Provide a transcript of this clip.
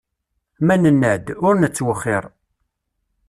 Ma nenna-d, ur nettwexxiṛ.